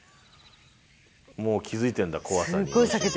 もう気付いてんだ怖さに。